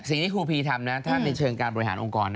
ครูพีทำนะถ้าในเชิงการบริหารองค์กร